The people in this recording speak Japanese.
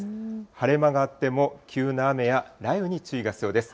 晴れ間があっても急な雨や雷雨に注意が必要です。